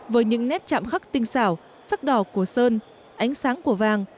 với những nét chạm khắc tinh xảo sắc đỏ của sơn ánh sáng của vàng